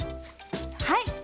はい。